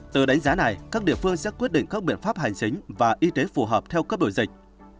từ đánh giá này các địa phương sẽ quyết định các biện pháp hành chính và y tế phù hợp theo cấp đổi dịch